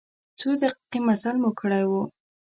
څو دقیقې مزل مو کړی و.